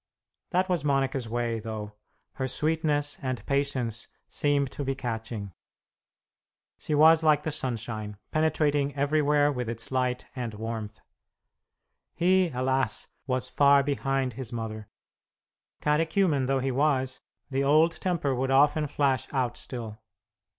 That was Monica's way, though; her sweetness and patience seemed to be catching. She was like the sunshine, penetrating everywhere with its light and warmth. He, alas! was far behind his mother. Catechumen though he was, the old temper would often flash out still.